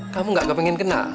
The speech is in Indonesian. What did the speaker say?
kamu gak pengen kenal